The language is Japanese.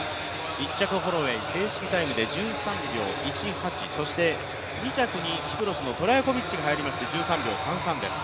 １着ホロウェイ、正式タイムで１３秒１８そして２着にキプロスのトラヤコビッチが入りまして、１３秒３３です。